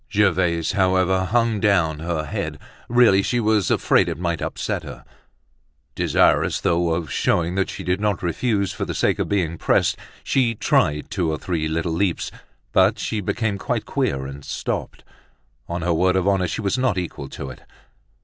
Gervaise, however, hung down her head. Really, she was afraid it might upset her. Desirous though of showing that she did not refuse for the sake of being pressed, she tried two or three little leaps; but she became quite queer, and stopped; on her word of honor, she was not equal to it!